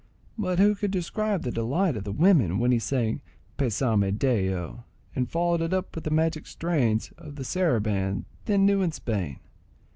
But who could describe the delight of the women when he sang Pesame de ello, and followed it up with the magic strains of the saraband, then new in Spain?